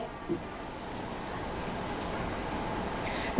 đám cháy lớn